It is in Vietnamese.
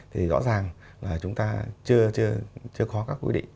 thì rõ ràng là chúng ta chưa có các quy định